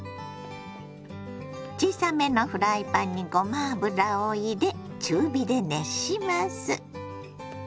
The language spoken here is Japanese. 小さめのフライパンにごま油を入れ中火で熱します。